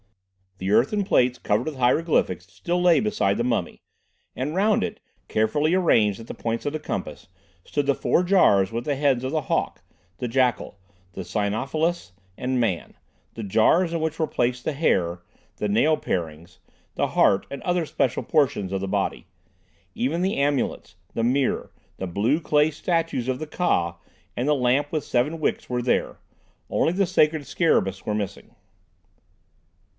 The earthen plates covered with hieroglyphics still lay beside the mummy, and round it, carefully arranged at the points of the compass, stood the four jars with the heads of the hawk, the jackal, the cynocephalus, and man, the jars in which were placed the hair, the nail parings, the heart, and other special portions of the body. Even the amulets, the mirror, the blue clay statues of the Ka, and the lamp with seven wicks were there. Only the sacred scarabaeus was missing.